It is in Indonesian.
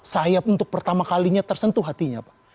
sayap untuk pertama kalinya tersentuh hatinya pak